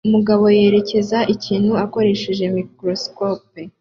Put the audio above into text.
Umugabo yitegereza ikintu akoresheje microscope